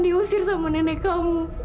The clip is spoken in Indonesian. diusir sama nenek kamu